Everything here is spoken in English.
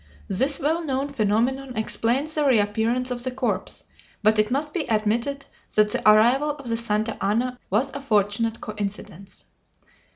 This well known phenomenon explains the reappearance of the corpse, but it must be admitted that the arrival of the Santa Ana was a fortunate coincidence.